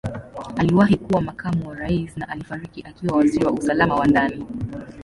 Aliwahi kuwa Makamu wa Rais na alifariki akiwa Waziri wa Usalama wa Ndani.